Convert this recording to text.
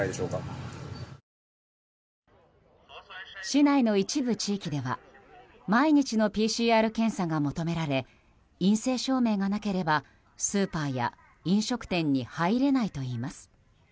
市内の一部地域では毎日のＰＣＲ検査が求められ陰性証明がなければスーパーや飲食店に入れないといいます。